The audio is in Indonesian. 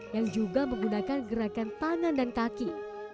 yang juga menggunakan gerakan tangan dan kaki